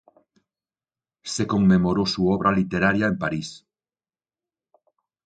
Se conmemoró su obra literaria en París.